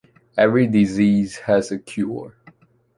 Every disease has a cure.